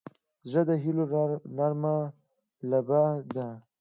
زړه د هيلو نرمه لمبه ده.